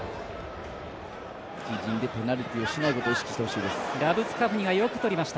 自陣でペナルティしないことを意識してほしいです。